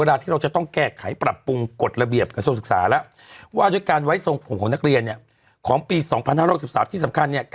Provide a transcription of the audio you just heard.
เดี๋ยวต้องตัดผมประจานบางอาหารตัวเองอะไรอย่างนี้